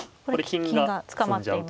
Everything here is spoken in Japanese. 金が捕まっていますね。